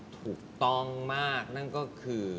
ถูกต้องมากนั่นก็คือ